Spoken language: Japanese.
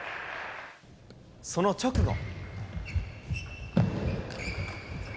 その直後。